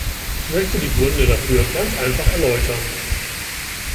Ich möchte die Gründe dafür ganz einfach erläutern.